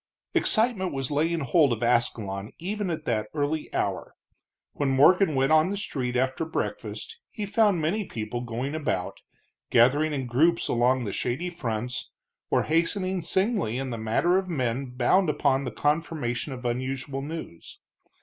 Excitement was laying hold of Ascalon even at that early hour. When Morgan went on the street after breakfast he found many people going about, gathering in groups along the shady fronts, or hastening singly in the manner of men bound upon the confirmation of unusual news.